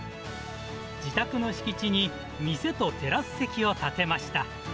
自宅の敷地に店とテラス席を建てました。